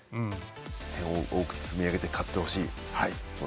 点を多く積み上げて勝ってほしい。